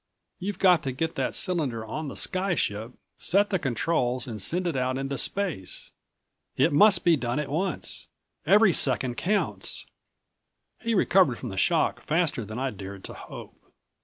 You've got to get that cylinder on the sky ship, set the controls and send it out into space. It must be done at once. Every second counts." He recovered from the shock faster than I'd dared to hope.